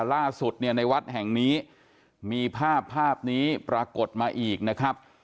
ล่าสุดเนี่ยในวัดแห่งนี้มีภาพภาพนี้ปรากฏมาอีกนะครับ